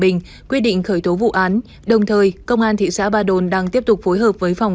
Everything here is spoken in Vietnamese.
bình quyết định khởi tố vụ án đồng thời công an thị xã ba đồn đang tiếp tục phối hợp với phòng